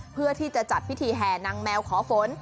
เพื่อที่จะจัดพิธีแห่นางแมวขอฝน